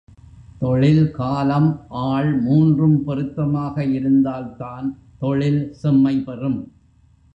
தொழில், காலம், ஆள் மூன்றும் பொருத்தமாக இருந்தால்தான் தொழில் செம்மை பெறும்.